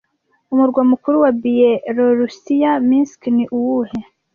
Umurwa mukuru wa Biyelorusiya Minsk ni uwuhe?